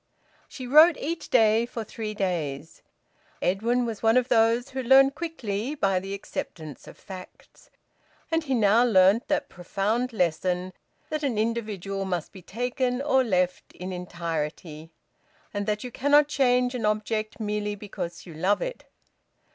She wrote each day for three days. Edwin was one of those who learn quickly, by the acceptance of facts. And he now learnt that profound lesson that an individual must be taken or left in entirety, and that you cannot change an object merely because you love it.